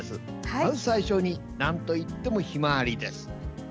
まず最初になんといってもヒマワリです。